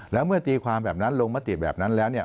แล้วเมื่อตีความแบบนั้นลงมติแบบนั้นแล้วเนี่ย